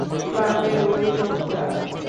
ক্লাবের ওই লোকটা।